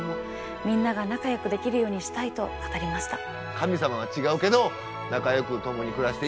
「神様は違うけど仲良く共に暮らしていきましょう。